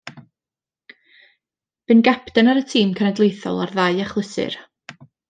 Bu'n gapten ar y tîm cenedlaethol ar ddau achlysur.